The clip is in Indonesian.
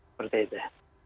seperti itu ya